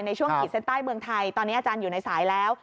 ขีดเส้นใต้เมืองไทยตอนนี้อาจารย์อยู่ในสายแล้ว